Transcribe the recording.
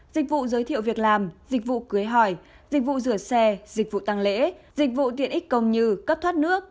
dịch vụ giới thiệu việc làm dịch vụ cưới hỏi dịch vụ rửa xe dịch vụ tăng lễ dịch vụ tiện ích công như cấp thoát nước